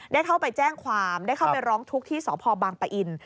ได้เข้าไปแจ้งความได้เข้าไปร้องทุกข์ที่สพบางปะอิน